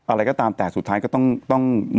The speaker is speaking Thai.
อะไรก็ตามแต่สุดท้ายก็ต้อง